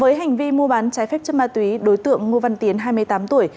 với hành vi mua bán trái phép chất ma túy đối tượng ngô văn tiến hai mươi tám tuổi